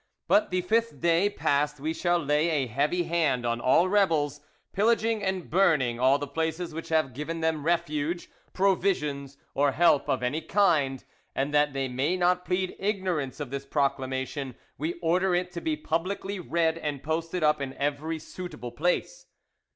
But the fifth day passed, we shall lay a heavy hand on all rebels, pillaging and burning all the places which have given them refuge, provisions, or help of any kind; and that they may not plead ignorance of this proclamation, we order it to be publicly read and posted up in every suitable place.